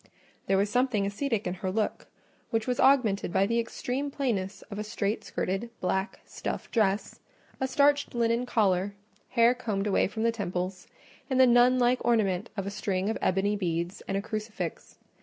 There was something ascetic in her look, which was augmented by the extreme plainness of a straight skirted, black, stuff dress, a starched linen collar, hair combed away from the temples, and the nun like ornament of a string of ebony beads and a crucifix.